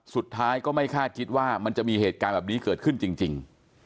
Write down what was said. สุดท้ายก็ไม่คาดคิดว่ามันจะมีเหตุการณ์แบบนี้เกิดขึ้นจริง